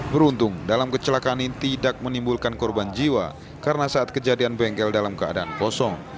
beruntung dalam kecelakaan ini tidak menimbulkan korban jiwa karena saat kejadian bengkel dalam keadaan kosong